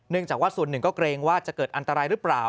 จากว่าส่วนหนึ่งก็เกรงว่าจะเกิดอันตรายหรือเปล่า